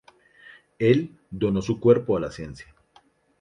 Él donó su cuerpo a la ciencia.